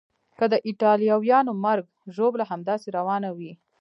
که د ایټالویانو مرګ ژوبله همداسې روانه وي.